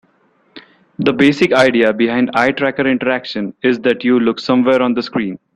The basic idea behind eye tracker interaction is that you look somewhere on the screen.